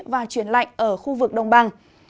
và chuyển lạnh ở khu vực đông bằng